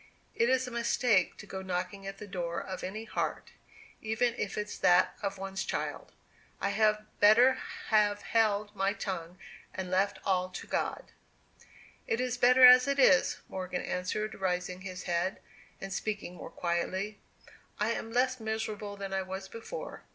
"It's a mistake to go knocking at the door of any heart, even if it's that of one's child. I had better have held my tongue, and left all to God." "It is better as it is," Morgan answered raising his head, and speaking more quietly. "I am less miserable than I was before.